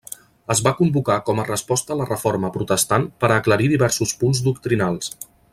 Es va convocar com resposta a la Reforma Protestant per a aclarir diversos punts doctrinals.